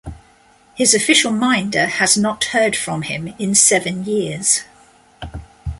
His official minder has not heard from him in seven years.